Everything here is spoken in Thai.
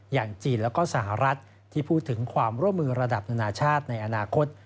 อย่างจีนแล้วก็สหรัฐที่พูดถึงความร่วมมือระดับนานาชาติในอนาคต